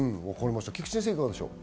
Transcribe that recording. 菊地先生、いかがでしょう？